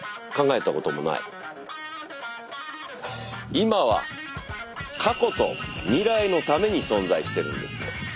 「今」は「過去」と「未来」のために存在してるんです。